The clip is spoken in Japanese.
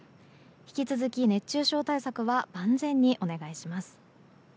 引き続き熱中症対策は万全にお願いします。